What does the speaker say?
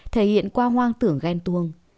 thể hiện qua hoang tưởng ghen tuông